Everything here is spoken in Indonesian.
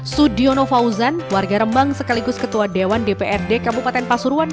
sudiono fauzan warga rembang sekaligus ketua dewan dprd kabupaten pasuruan